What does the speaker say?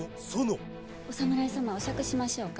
お侍様お酌しましょうか。